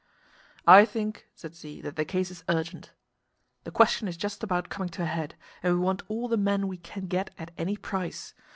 "I think," said Z, "that the case is urgent. The question is just about coming to a head, and we want all the men we can get at any price.